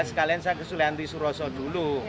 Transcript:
sekalian saya ke sulianti suroso dulu